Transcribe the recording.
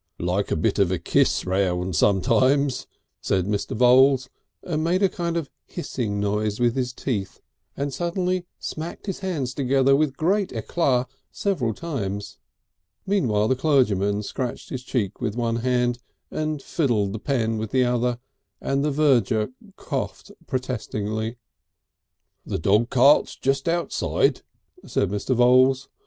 "Like a bit of a kiss round sometimes," said Mr. Voules, and made a kind of hissing noise with his teeth, and suddenly smacked his hands together with great éclat several times. Meanwhile the clergyman scratched his cheek with one hand and fiddled the pen with the other and the verger coughed protestingly. "The dog cart's just outside," said Mr. Voules.